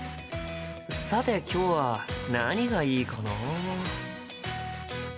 さて今日は何がいいかな？